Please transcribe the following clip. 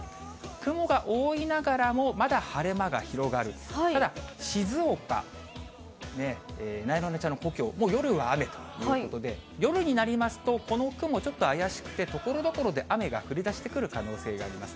雲が多いながらも、まだ晴れ間が広がる、ただ、静岡、なえなのちゃんの故郷、もう夜は雨ということで、夜になりますと、この雲ちょっと怪しくて、ところどころで雨が降りだしてくる可能性があります。